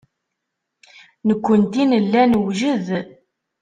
Nekkenti nella newjed.